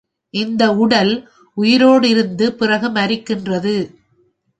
இந்த உடல் உயிரோடிருந்து, பிறகு மரிக்கின்றது.